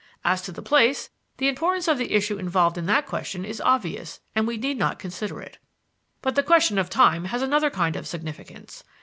As to the place, the importance of the issues involved in that question is obvious and we need not consider it. But the question of time has another kind of significance.